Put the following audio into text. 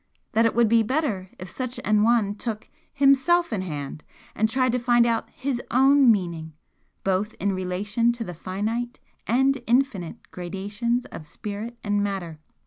That it would be better if such an one took HIMSELF in hand and tried to find out HIS OWN meaning, both in relation to the finite and infinite gradations of Spirit and Matter.